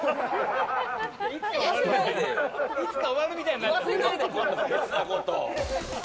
いつか終わるみたいになっちゃった。